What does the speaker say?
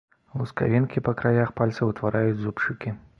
Лускавінкі па краях пальцаў утвараюць зубчыкі.